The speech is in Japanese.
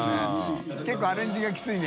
結構アレンジがきついね。